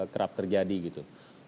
kerap terjadi gitu